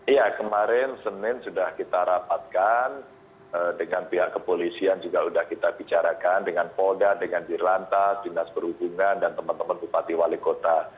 iya kemarin senin sudah kita rapatkan dengan pihak kepolisian juga sudah kita bicarakan dengan polda dengan diri lantas dinas perhubungan dan teman teman bupati wali kota